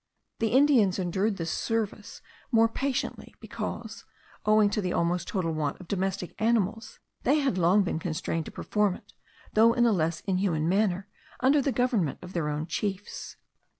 The Indians endured this service more patiently, because, owing to the almost total want of domestic animals, they had long been constrained to perform it, though in a less inhuman manner, under the government of their own chiefs.